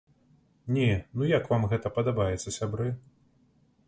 Не, ну як вам гэта падабаецца, сябры?!